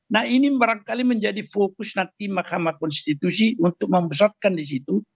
nah ini barangkali menjadi fokus nanti mahkamah konstitusi untuk membesatkan di situ